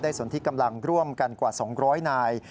สนที่กำลังร่วมกันกว่า๒๐๐นาย